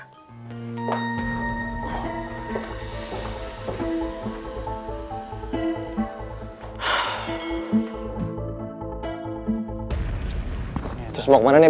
kan kamu sudah dari mana